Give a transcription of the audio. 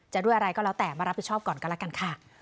ด้วยอะไรก็แล้วแต่มารับผิดชอบก่อนก็แล้วกันค่ะ